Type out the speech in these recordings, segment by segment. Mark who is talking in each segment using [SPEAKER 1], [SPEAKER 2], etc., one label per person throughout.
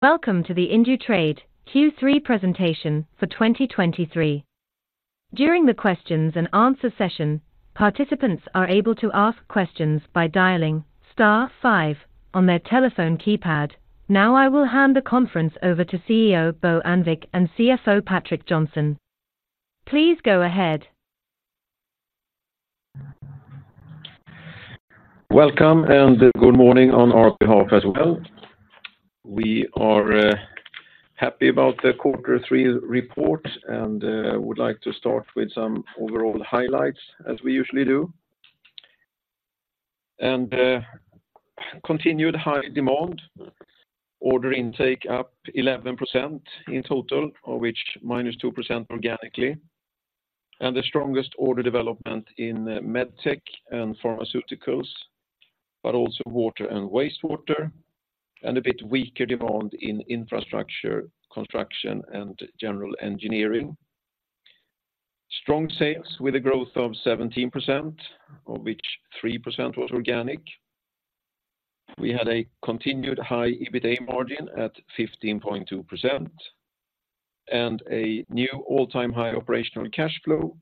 [SPEAKER 1] Welcome to the Indutrade Q3 presentation for 2023. During the questions and answer session, participants are able to ask questions by dialing star five on their telephone keypad. Now, I will hand the conference over to CEO Bo Annvik and CFO Patrik Johnson. Please go ahead.
[SPEAKER 2] Welcome, and good morning on our behalf as well. We are happy about the quarter three report, and would like to start with some overall highlights, as we usually do. Continued high demand, order intake up 11% in total, of which -2% organically, and the strongest order development in MedTech and pharmaceuticals, but also water and wastewater, and a bit weaker demand in infrastructure, construction, and general engineering. Strong sales with a growth of 17%, of which 3% was organic. We had a continued high EBITA margin at 15.2%, and a new all-time high operational cash flow,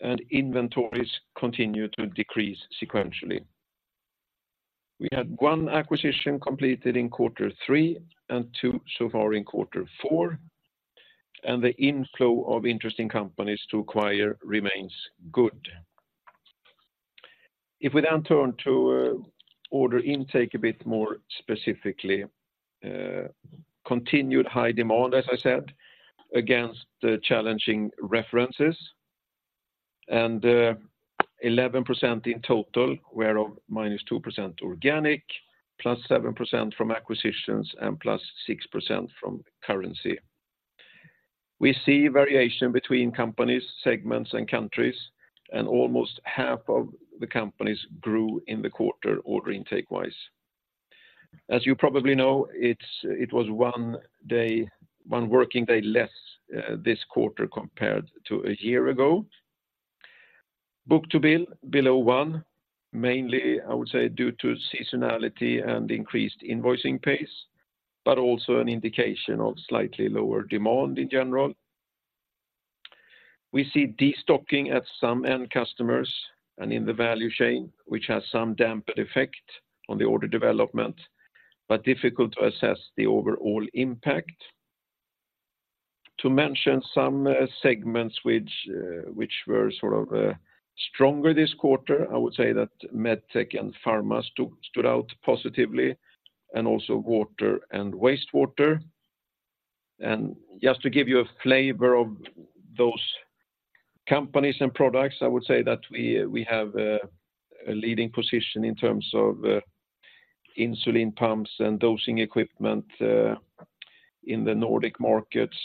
[SPEAKER 2] and inventories continue to decrease sequentially. We had one acquisition completed in quarter three and two so far in quarter four, and the inflow of interesting companies to acquire remains good. If we then turn to order intake a bit more specifically, continued high demand, as I said, against the challenging references, and 11% in total, whereof -2% organic, +7% from acquisitions, and +6% from currency. We see variation between companies, segments, and countries, and almost half of the companies grew in the quarter order intake-wise. As you probably know, it was 1 day, 1 working day less this quarter compared to a year ago. Book-to-bill below one, mainly, I would say, due to seasonality and increased invoicing pace, but also an indication of slightly lower demand in general. We see destocking at some end customers and in the value chain, which has some dampened effect on the order development, but difficult to assess the overall impact. To mention some segments which were sort of stronger this quarter, I would say that MedTech and Pharma stood out positively, and also water and wastewater. Just to give you a flavor of those companies and products, I would say that we have a leading position in terms of insulin pumps and dosing equipment in the Nordic markets.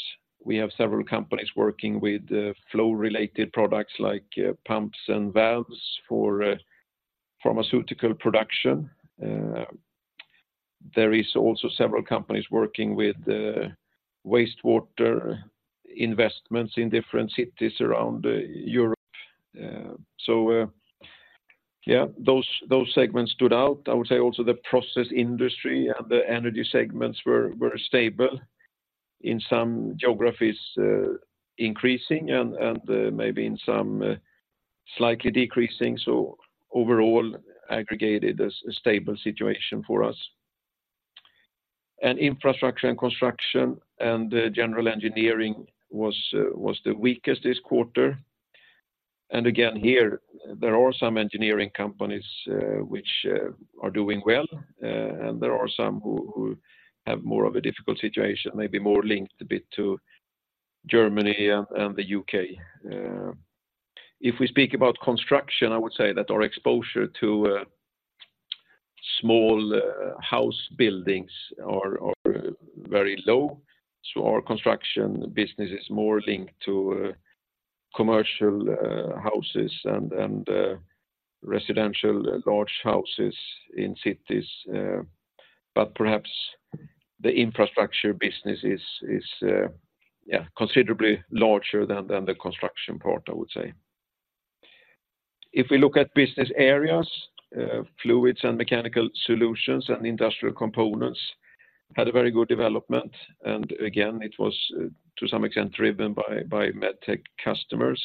[SPEAKER 2] We have several companies working with flow-related products like pumps and valves for pharmaceutical production. There is also several companies working with wastewater investments in different cities around Europe. So yeah, those segments stood out. I would say also the process industry and the energy segments were stable in some geographies, increasing and maybe in some slightly decreasing. So overall, aggregated as a stable situation for us. Infrastructure and construction and general engineering was the weakest this quarter. Again, here, there are some engineering companies which are doing well, and there are some who have more of a difficult situation, maybe more linked a bit to Germany and the U.K. If we speak about construction, I would say that our exposure to small house buildings are very low. So our construction business is more linked to commercial houses and residential large houses in cities, but perhaps the infrastructure business is considerably larger than the construction part, I would say. If we look at business areas, Fluids and Mechanical Solutions and Industrial Components had a very good development, and again, it was to some extent driven by MedTech customers.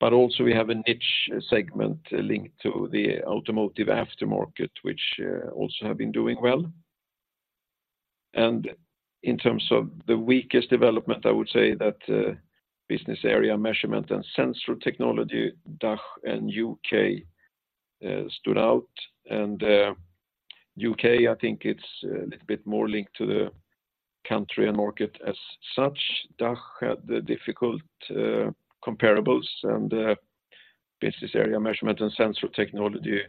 [SPEAKER 2] We also have a niche segment linked to the automotive aftermarket, which also has been doing well. In terms of the weakest development, I would say that business area Measurement & Sensor Technology, DACH, and U.K. stood out. U.K., I think, is a little bit more linked to the country and market as such. DACH had difficult comparables, and business area Measurement & Sensor Technology,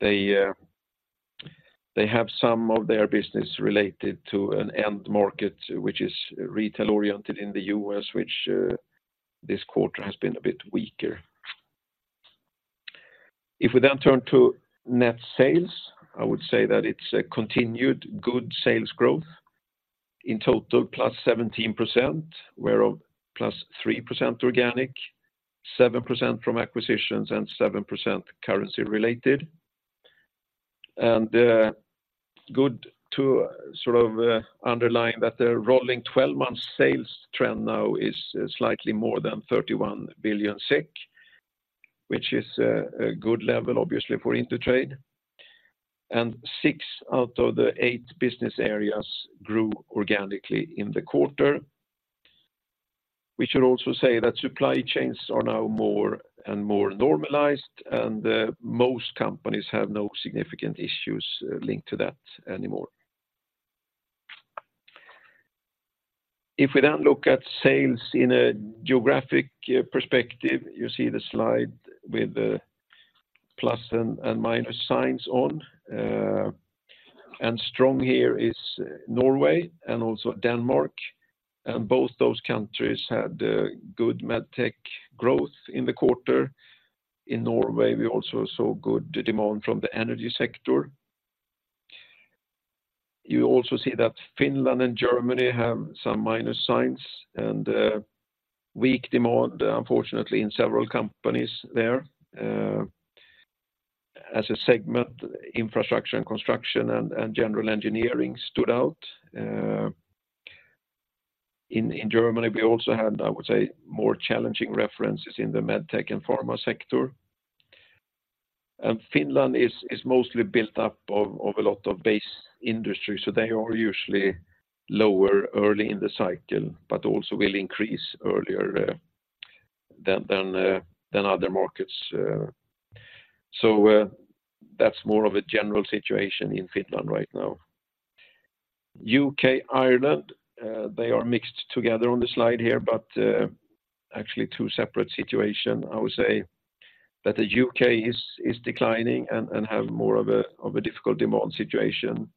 [SPEAKER 2] they have some of their business related to an end market which is retail-oriented in the U.S., which this quarter has been a bit weaker. If we then turn to net sales, I would say that it's a continued good sales growth. In total, +17%, whereof +3% organic, 7% from acquisitions, and 7% currency related. Good to sort of underline that the rolling twelve months sales trend now is slightly more than 31 billion SEK, which is a good level, obviously, for Indutrade. And six out of the eight business areas grew organically in the quarter. We should also say that supply chains are now more and more normalized, and most companies have no significant issues linked to that anymore. If we then look at sales in a geographic perspective, you see the slide with the plus and minus signs on. And strong here is Norway and also Denmark, and both those countries had good MedTech growth in the quarter. In Norway, we also saw good demand from the energy sector. You also see that Finland and Germany have some minus signs and weak demand, unfortunately, in several companies there. As a segment, infrastructure and construction and general engineering stood out. In Germany, we also had, I would say, more challenging references in the MedTech and pharma sector. Finland is mostly built up of a lot of base industry, so they are usually lower early in the cycle, but also will increase earlier than other markets. That's more of a general situation in Finland right now. U.K., Ireland, they are mixed together on the slide here, but actually two separate situation. I would say that the U.K. is declining and have more of a difficult demand situation,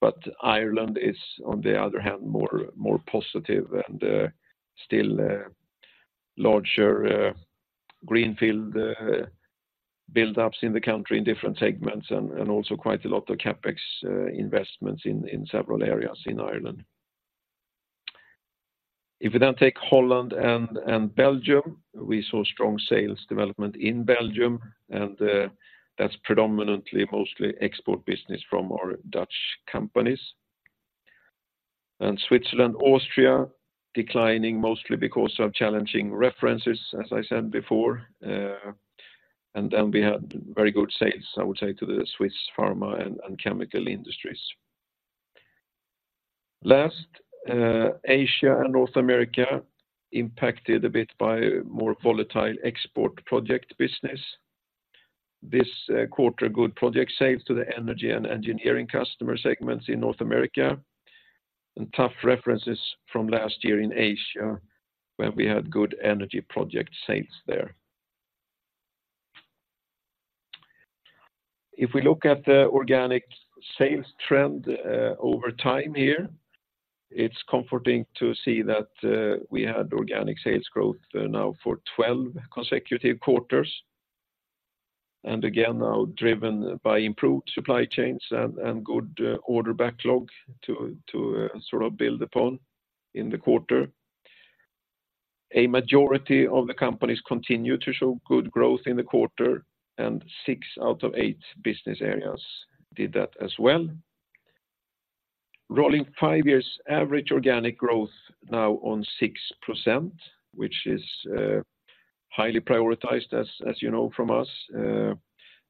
[SPEAKER 2] but Ireland is, on the other hand, more positive and still larger greenfield buildups in the country in different segments and also quite a lot of CapEx investments in several areas in Ireland. If we then take Holland and Belgium, we saw strong sales development in Belgium, and that's predominantly mostly export business from our Dutch companies. Switzerland, Austria, declining mostly because of challenging references, as I said before, and then we had very good sales, I would say, to the Swiss pharma and chemical industries. Last, Asia and North America impacted a bit by more volatile export project business. This quarter, good project sales to the energy and engineering customer segments in North America, and tough references from last year in Asia, where we had good energy project sales there. If we look at the organic sales trend over time here, it's comforting to see that we had organic sales growth now for 12 consecutive quarters, and again, now driven by improved supply chains and good order backlog to sort of build upon in the quarter. A majority of the companies continued to show good growth in the quarter, and six out of eight business areas did that as well. Rolling five-year average organic growth now on 6%, which is highly prioritized, as you know from us.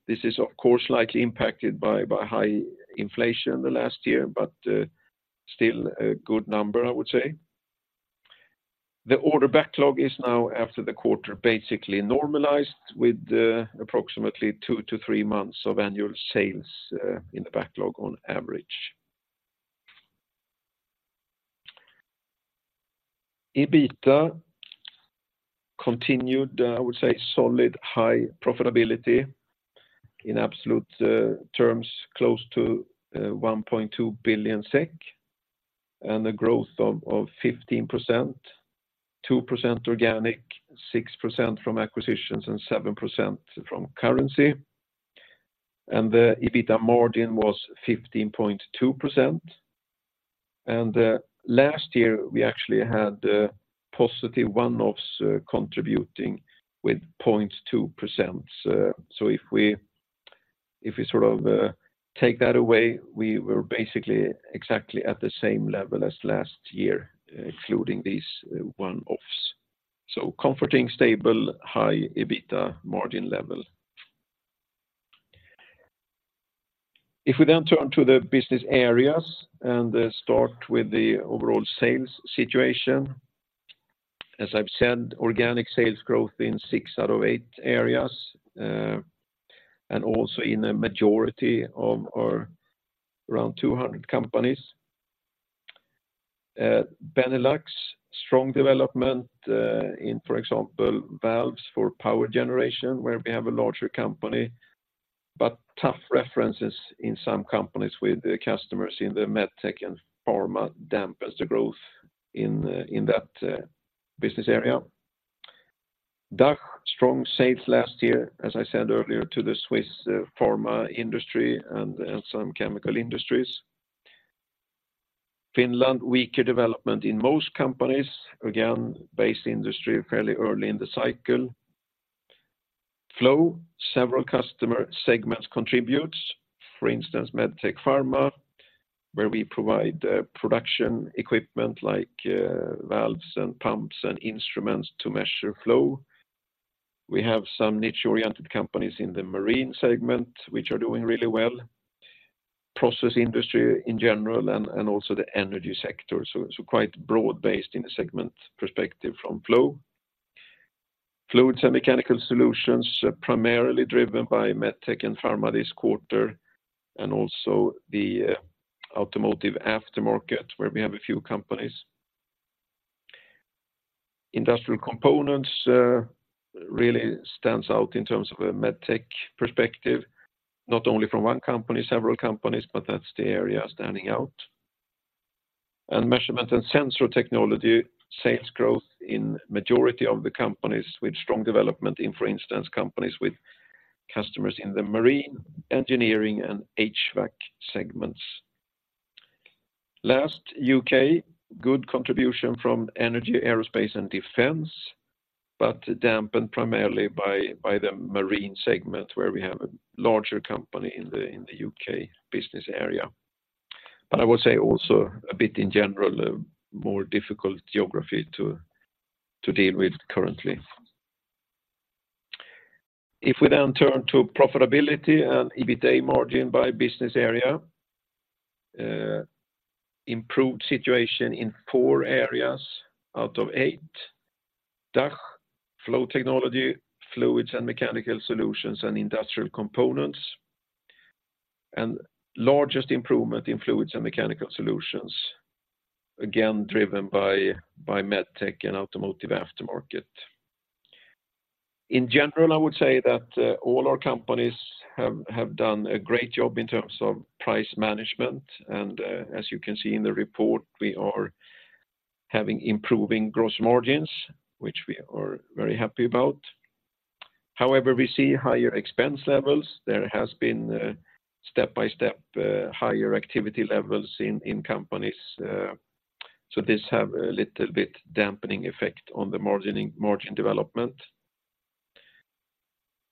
[SPEAKER 2] This is, of course, slightly impacted by high inflation in the last year, but still a good number, I would say. The order backlog is now, after the quarter, basically normalized, with approximately two-three months of annual sales in the backlog on average. EBITDA continued, I would say, solid high profitability in absolute terms, close to 1.2 billion SEK, and a growth of 15%, 2% organic, 6% from acquisitions, and 7% from currency. The EBITDA margin was 15.2%. Last year, we actually had positive one-offs contributing with 0.2%. So if we sort of take that away, we were basically exactly at the same level as last year, including these one-offs. So comforting, stable, high EBITDA margin level. If we then turn to the business areas and start with the overall sales situation, as I've said, organic sales growth in six out of eight areas and also in a majority of our around 200 companies. Benelux, strong development in, for example, valves for power generation, where we have a larger company, but tough references in some companies with the customers in the MedTech and pharma dampens the growth in that business area. DACH, strong sales last year, as I said earlier, to the Swiss pharma industry and some chemical industries. Finland, weaker development in most companies, again, based industry fairly early in the cycle. Flow, several customer segments contributes, for instance, MedTech, Pharma, where we provide production equipment like valves and pumps and instruments to measure flow. We have some niche-oriented companies in the marine segment, which are doing really well. Process industry in general and also the energy sector. So quite broad-based in a segment perspective from Flow. Fluids and Mechanical Solutions, primarily driven by MedTech and Pharma this quarter, and also the automotive aftermarket, where we have a few companies. Industrial Components really stands out in terms of a MedTech perspective, not only from one company, several companies, but that's the area standing out. And Measurement and Sensor Technology, sales growth in majority of the companies with strong development in, for instance, companies with customers in the marine, engineering, and HVAC segments. Last, U.K., good contribution from energy, aerospace, and defense, but dampened primarily by the marine segment, where we have a larger company in the U.K. business area. But I would say also a bit in general, a more difficult geography to deal with currently. If we then turn to profitability and EBITA margin by business area, improved situation in four areas out of eight: DACH, Flow Technology, Fluids and Mechanical Solutions, and Industrial Components. And largest improvement in Fluids and Mechanical Solutions, again, driven by MedTech and automotive aftermarket. In general, I would say that all our companies have done a great job in terms of price management, and as you can see in the report, we are having improving gross margins, which we are very happy about. However, we see higher expense levels. There has been step-by-step higher activity levels in companies, so this have a little bit dampening effect on the margin development.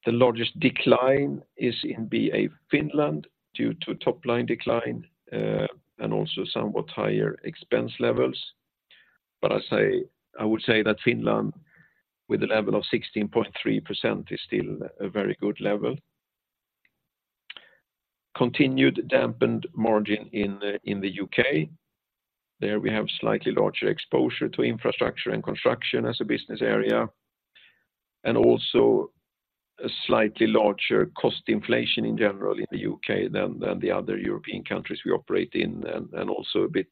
[SPEAKER 2] The largest decline is in BA Finland, due to top line decline, and also somewhat higher expense levels. But I say, I would say that Finland, with a level of 16.3%, is still a very good level. Continued dampened margin in the U.K. There, we have slightly larger exposure to infrastructure and construction as a business area, and also a slightly larger cost inflation in general in the U.K. than the other European countries we operate in, and also a bit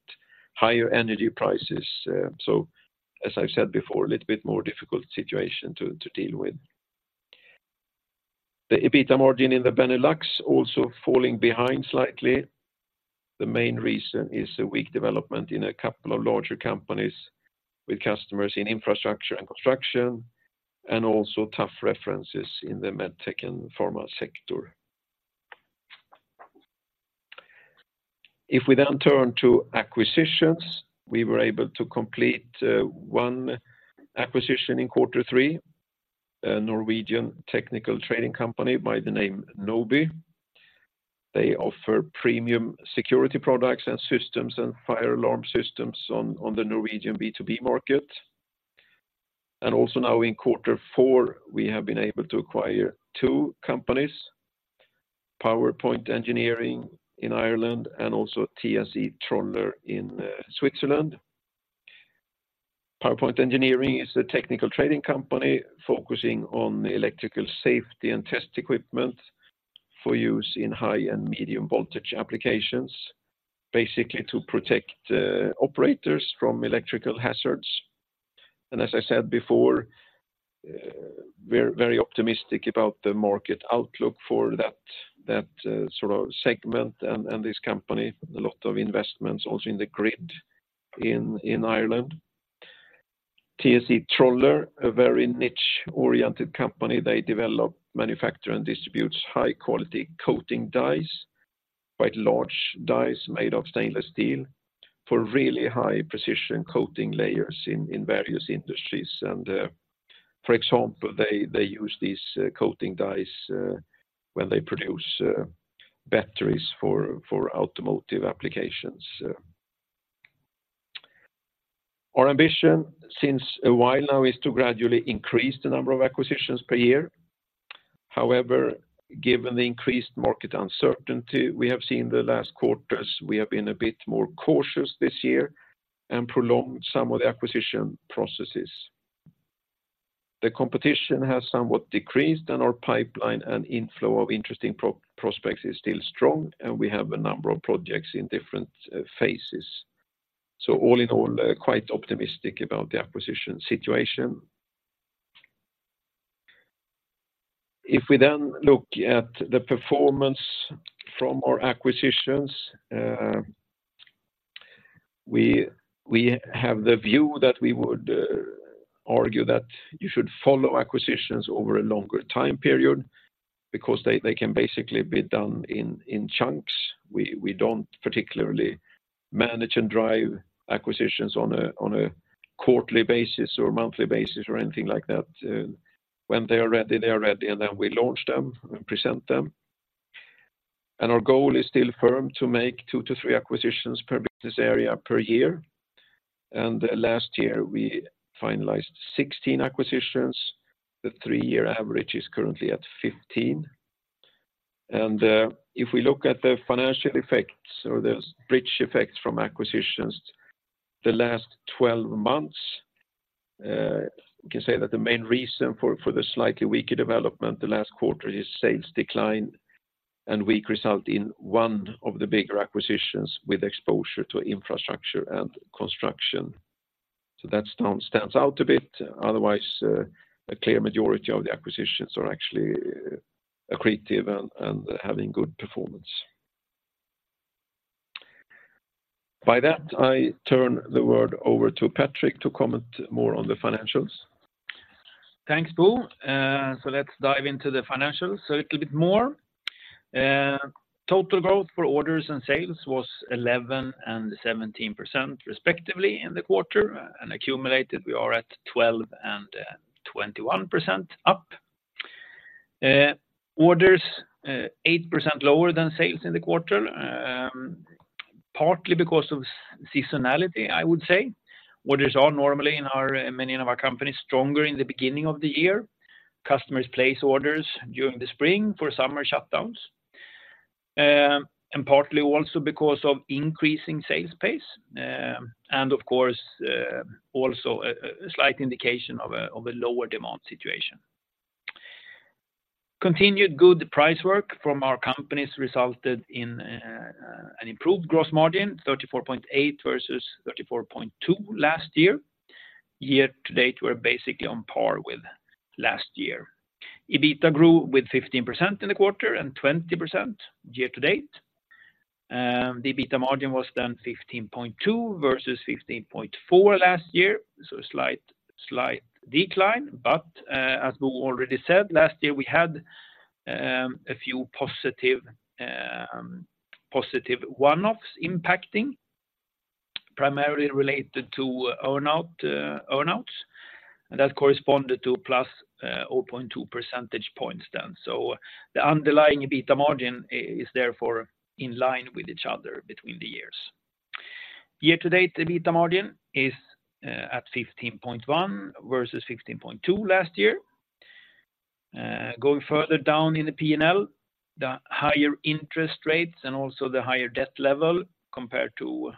[SPEAKER 2] higher energy prices, so as I've said before, a little bit more difficult situation to deal with. The EBITA margin in the Benelux also falling behind slightly. The main reason is a weak development in a couple of larger companies with customers in infrastructure and construction, and also tough references in the MedTech and pharma sector. If we then turn to acquisitions, we were able to complete one acquisition in quarter three, a Norwegian technical trading company by the name Noby. They offer premium security products and systems and fire alarm systems on the Norwegian B2B market. And also now in quarter four, we have been able to acquire two companies, Powerpoint Engineering in Ireland and also TSE Troller in Switzerland. Powerpoint Engineering is a technical trading company focusing on electrical safety and test equipment for use in high and medium voltage applications, basically to protect operators from electrical hazards. And as I said before, we're very optimistic about the market outlook for that sort of segment and this company, a lot of investments also in the grid in Ireland. TSE Troller, a very niche-oriented company. They develop, manufacture, and distribute high-quality coating dies, quite large dies made of stainless steel, for really high precision coating layers in various industries. For example, they use these coating dies when they produce batteries for automotive applications. Our ambition since a while now is to gradually increase the number of acquisitions per year. However, given the increased market uncertainty we have seen the last quarters, we have been a bit more cautious this year and prolonged some of the acquisition processes. The competition has somewhat decreased, and our pipeline and inflow of interesting prospects is still strong, and we have a number of projects in different phases. All in all, quite optimistic about the acquisition situation. If we then look at the performance from our acquisitions, we have the view that we would... Argue that you should follow acquisitions over a longer time period because they can basically be done in chunks. We don't particularly manage and drive acquisitions on a quarterly basis or monthly basis or anything like that. When they are ready, they are ready, and then we launch them and present them. And our goal is still firm to make two-three acquisitions per business area per year, and last year, we finalized 16 acquisitions. The three-year average is currently at 15. And if we look at the financial effects or those bridge effects from acquisitions, the last 12 months, we can say that the main reason for the slightly weaker development the last quarter is sales decline and weak result in one of the bigger acquisitions with exposure to infrastructure and construction. So that stands out a bit. Otherwise, a clear majority of the acquisitions are actually accretive and having good performance. By that, I turn the word over to Patrik to comment more on the financials.
[SPEAKER 3] Thanks, Bo. So let's dive into the financials a little bit more. Total growth for orders and sales was 11% and 17%, respectively, in the quarter, and accumulated, we are at 12% and 21% up. Orders eight percent lower than sales in the quarter, partly because of seasonality, I would say. Orders are normally in our many of our companies stronger in the beginning of the year. Customers place orders during the spring for summer shutdowns, and partly also because of increasing sales pace, and of course also a slight indication of a lower demand situation. Continued good price work from our companies resulted in an improved gross margin, 34.8 versus 34.2 last year. Year to date, we're basically on par with last year. EBITDA grew with 15% in the quarter and 20% year to date. The EBITDA margin was then 15.2 versus 15.4 last year, so slight, slight decline, but, as Bo already said, last year, we had, a few positive, positive one-offs impacting, primarily related to earn out, earn outs, and that corresponded to plus, oh point 2 percentage points then. So the underlying EBITDA margin is therefore in line with each other between the years. Year to date, the EBITDA margin is, at 15.1 versus 15.2 last year. Going further down in the P&L, the higher interest rates and also the higher debt level compared to,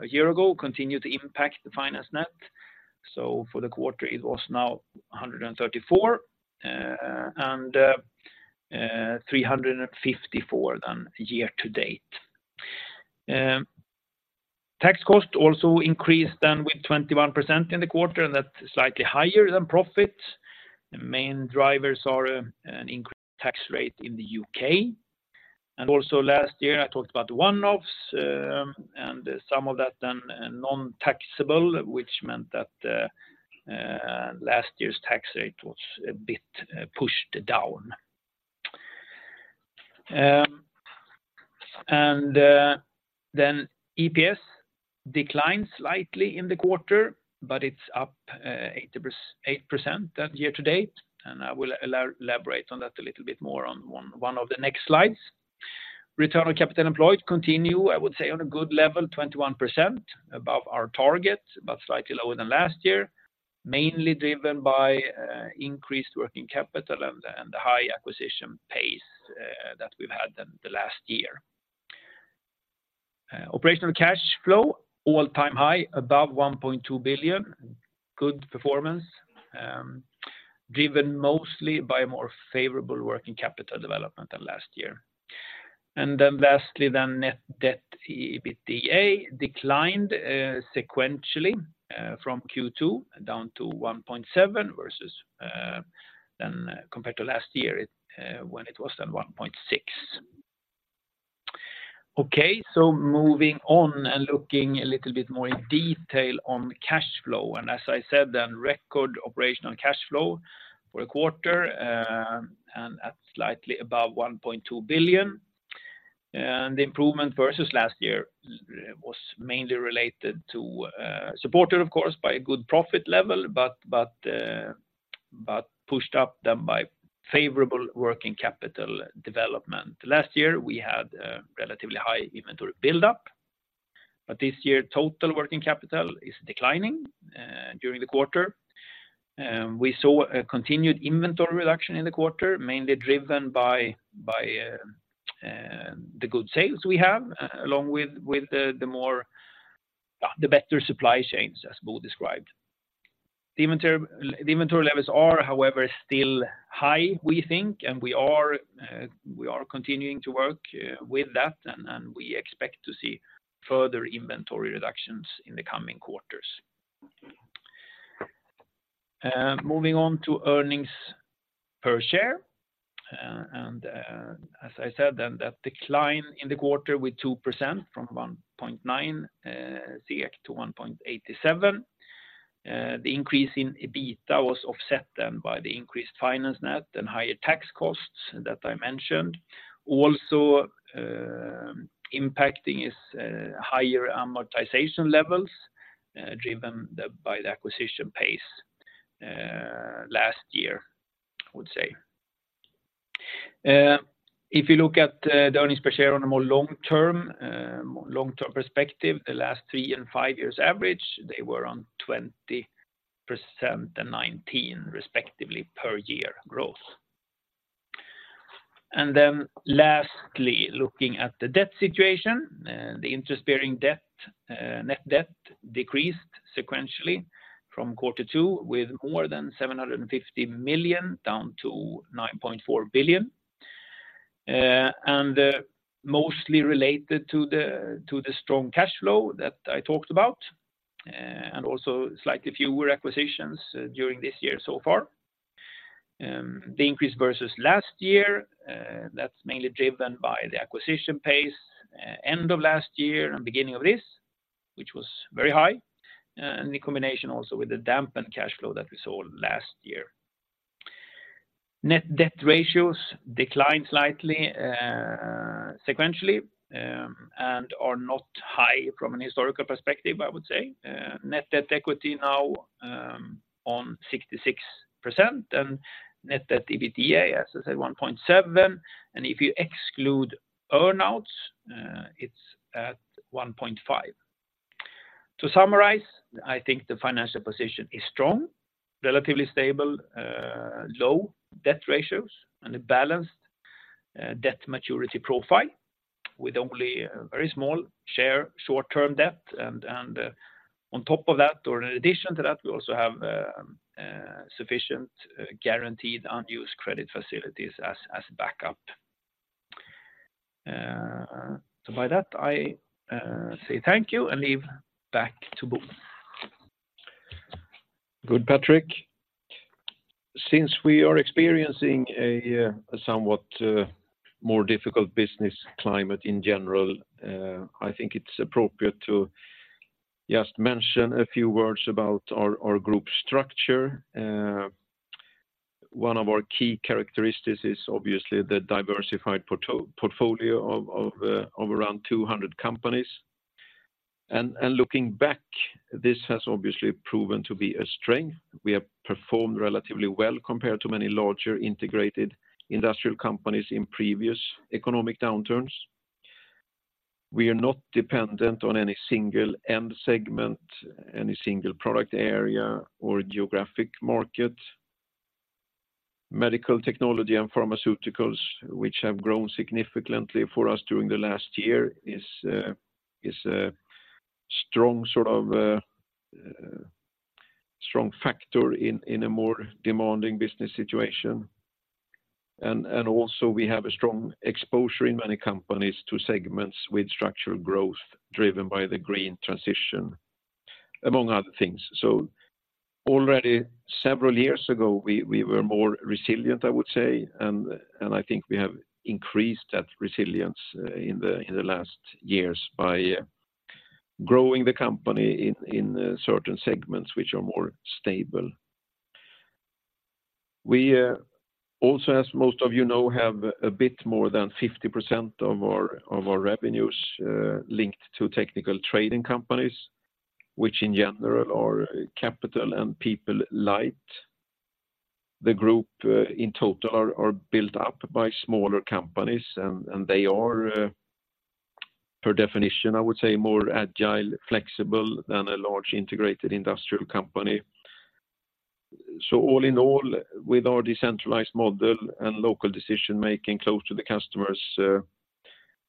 [SPEAKER 3] a year ago continued to impact the finance net. So for the quarter, it was now 134, and 354 then year to date. Tax cost also increased then with 21% in the quarter, and that's slightly higher than profit. The main drivers are an increased tax rate in the U.K., and also last year, I talked about the one-offs, and some of that then are non-taxable, which meant that last year's tax rate was a bit pushed down. And then EPS declined slightly in the quarter, but it's up 8% than year to date, and I will elaborate on that a little bit more on one of the next slides. Return on capital employed continue, I would say, on a good level, 21% above our target, but slightly lower than last year, mainly driven by increased working capital and the high acquisition pace that we've had than the last year. Operational cash flow, all-time high, above 1.2 billion. Good performance, driven mostly by a more favorable working capital development than last year. And then lastly, net debt EBITA declined sequentially from Q2 down to 1.7 versus than compared to last year when it was 1.6. Okay, so moving on and looking a little bit more in detail on cash flow. And as I said, record operational cash flow for a quarter and at slightly above 1.2 billion. The improvement versus last year was mainly related to, supported, of course, by a good profit level, but pushed up then by favorable working capital development. Last year, we had a relatively high inventory build-up, but this year, total working capital is declining during the quarter. We saw a continued inventory reduction in the quarter, mainly driven by the good sales we have, along with the more, the better supply chains, as Bo described. The inventory levels are, however, still high, we think, and we are continuing to work with that, and we expect to see further inventory reductions in the coming quarters. Moving on to earnings per share. As I said, then that decline in the quarter with 2% from 1.9 SEK to 1.87 SEK. The increase in EBITDA was offset then by the increased finance net and higher tax costs that I mentioned. Also, impacting is higher amortization levels, driven by the acquisition pace last year, I would say. If you look at the earnings per share on a more long-term perspective, the last three and five years average, they were on 20% and 19%, respectively, per year growth. Then lastly, looking at the debt situation, the interest-bearing net debt decreased sequentially from quarter two, with more than 750 million down to 9.4 billion. Mostly related to the strong cash flow that I talked about, and also slightly fewer acquisitions during this year so far. The increase versus last year, that's mainly driven by the acquisition pace end of last year and beginning of this, which was very high, and the combination also with the dampened cash flow that we saw last year. Net debt ratios declined slightly, sequentially, and are not high from an historical perspective, I would say. Net debt equity now on 66%, and net debt EBITDA, as I said, 1.7. And if you exclude earn-outs, it's at 1.5. To summarize, I think the financial position is strong, relatively stable, low debt ratios, and a balanced debt maturity profile, with only a very small share short-term debt. On top of that, or in addition to that, we also have sufficient, guaranteed, unused credit facilities as backup. So by that, I say thank you, and leave back to Bo.
[SPEAKER 2] Good, Patrik. Since we are experiencing a somewhat more difficult business climate in general, I think it's appropriate to just mention a few words about our group structure. One of our key characteristics is obviously the diversified portfolio of around 200 companies. And looking back, this has obviously proven to be a strength. We have performed relatively well compared to many larger integrated industrial companies in previous economic downturns. We are not dependent on any single end segment, any single product area, or geographic market. Medical technology and pharmaceuticals, which have grown significantly for us during the last year, is a strong sort of strong factor in a more demanding business situation. Also, we have a strong exposure in many companies to segments with structural growth driven by the green transition, among other things. So already several years ago, we were more resilient, I would say, and I think we have increased that resilience in the last years by growing the company in certain segments which are more stable. We also, as most of you know, have a bit more than 50% of our revenues linked to technical trading companies, which in general are capital and people light. The group in total are built up by smaller companies, and they are per definition, I would say, more agile, flexible than a large integrated industrial company. So all in all, with our decentralized model and local decision-making close to the customers,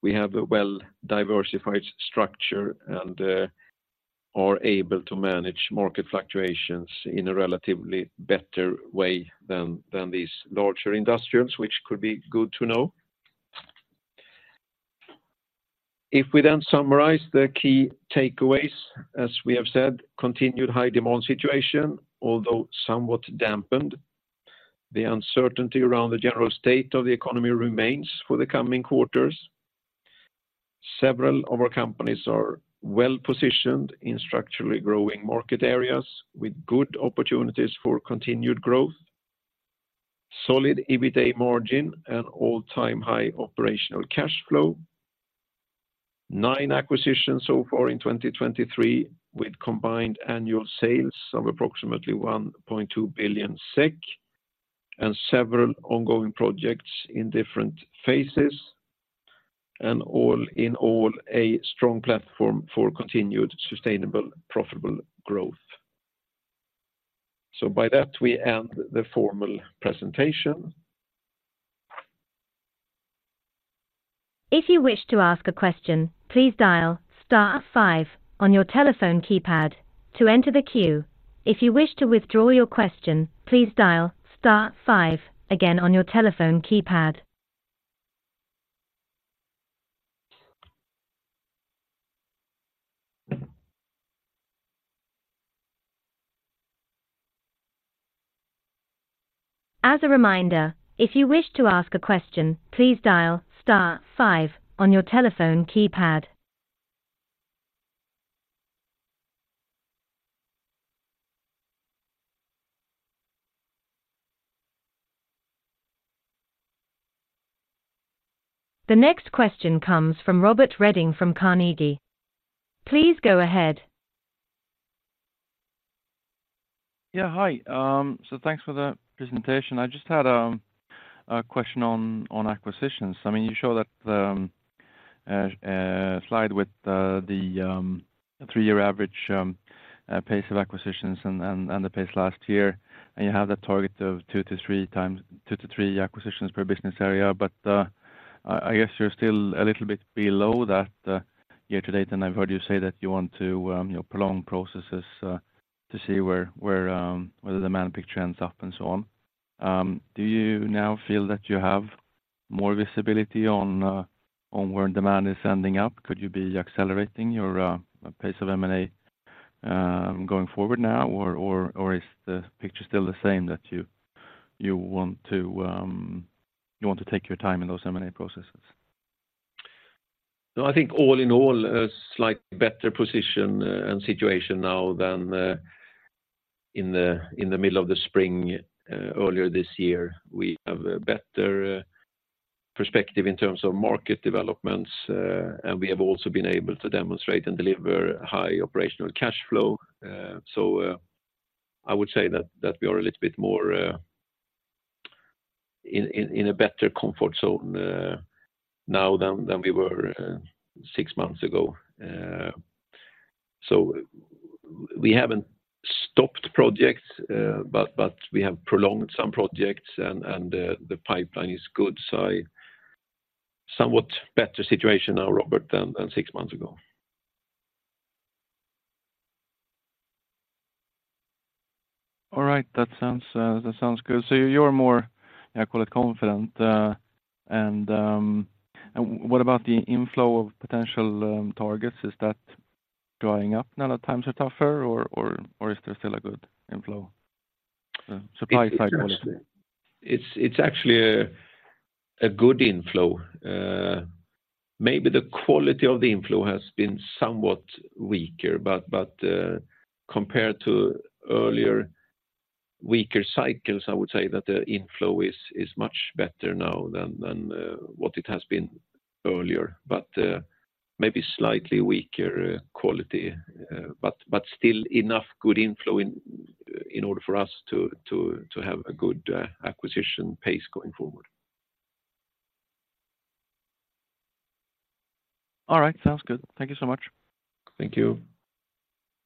[SPEAKER 2] we have a well-diversified structure and are able to manage market fluctuations in a relatively better way than these larger industrials, which could be good to know. If we then summarize the key takeaways, as we have said, continued high demand situation, although somewhat dampened. The uncertainty around the general state of the economy remains for the coming quarters. Several of our companies are well-positioned in structurally growing market areas with good opportunities for continued growth. Solid EBITA margin and all-time high operational cash flow. Nine acquisitions so far in 2023, with combined annual sales of approximately 1.2 billion SEK, and several ongoing projects in different phases. And all in all, a strong platform for continued, sustainable, profitable growth. So by that, we end the formal presentation.
[SPEAKER 1] If you wish to ask a question, please dial star five on your telephone keypad to enter the queue. If you wish to withdraw your question, please dial star five again on your telephone keypad. As a reminder, if you wish to ask a question, please dial star five on your telephone keypad. The next question comes from Robert Redin from Carnegie. Please go ahead.
[SPEAKER 4] Yeah, hi. So thanks for the presentation. I just had a question on acquisitions. I mean, you show that slide with the three-year average pace of acquisitions and the pace last year, and you have that target of two to three acquisitions per business area. But I guess you're still a little bit below that year to date, and I've heard you say that you want to, you know, prolong processes to see where whether the demand picture ends up and so on. Do you now feel that you have more visibility on where demand is ending up? Could you be accelerating your pace of M&A going forward now? Or, is the picture still the same, that you want to take your time in those M&A processes?
[SPEAKER 2] No, I think all in all, a slightly better position and situation now than in the middle of the spring earlier this year. We have a better perspective in terms of market developments, and we have also been able to demonstrate and deliver high operational cash flow. So, I would say that we are a little bit more in a better comfort zone now than we were six months ago. So we haven't stopped projects, but we have prolonged some projects and the pipeline is good. So a somewhat better situation now, Robert, than six months ago.
[SPEAKER 4] All right. That sounds, that sounds good. So you're more, I call it, confident. And what about the inflow of potential targets? Is that going up now that times are tougher, or is there still a good inflow, supply side quality?
[SPEAKER 2] It's actually a good inflow. Maybe the quality of the inflow has been somewhat weaker, but compared to earlier weaker cycles, I would say that the inflow is much better now than what it has been earlier, but maybe slightly weaker quality. But still enough good inflow in order for us to have a good acquisition pace going forward.
[SPEAKER 4] All right. Sounds good. Thank you so much.
[SPEAKER 2] Thank you.